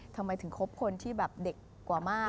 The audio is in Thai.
ทำไมถึงคบคนที่แบบเด็กกว่ามาก